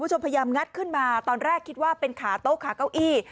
คุณผู้ชมพยายามงัดขึ้นมาตอนแรกคิดว่าเป็นขาโต๊ะขาเก้าอี้